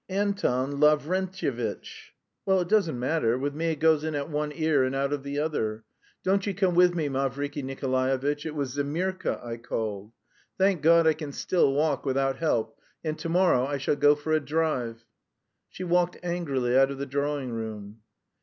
"Anton Lavrentyevitch..." "Well, it doesn't matter, with me it goes in at one ear and out of the other. Don't you come with me, Mavriky Nikolaevitch, it was Zemirka I called. Thank God I can still walk without help and to morrow I shall go for a drive." She walked angrily out of the drawing room.